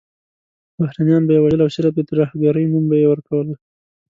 بهرنیان به یې وژل او صرف د ترهګرۍ نوم به یې ورکول.